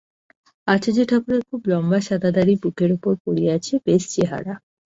আচার্য ঠাকুরের খুব লম্বা সাদা দাড়ি বুকের ওপর পড়িয়াছে, বেশ চেহারা।